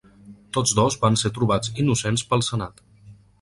Tots dos van ser trobats innocents pel senat.